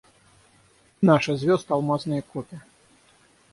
Наши звезд алмазные копи.